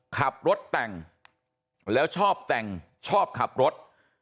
ขับรถแต่งแล้วชอบแต่งชอบขับรถ